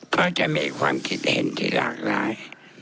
ก็จะมีความคิดเห็นที่หลากหลาย